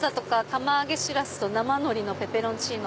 釜揚げしらすと生海苔のペペロンチーノ。